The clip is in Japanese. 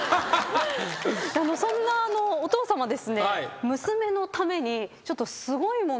そんなお父さまですね。